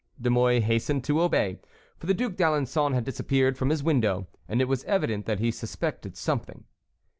De Mouy hastened to obey, for the Duc d'Alençon had disappeared from his window, and it was evident that he suspected something.